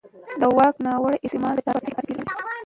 د واک ناوړه استعمال د تاریخ په حافظه کې پاتې کېږي